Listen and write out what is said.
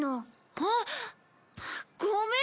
あっごめん。